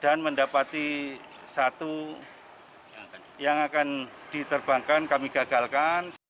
dan mendapati satu yang akan diterbangkan kami gagalkan